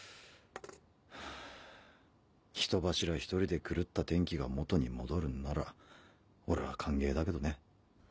人柱一人で狂った天気が元に戻るんなら俺は歓迎だけどね。